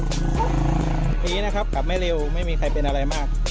อย่างนี้นะครับกลับไม่เร็วไม่มีใครเป็นอะไรมาก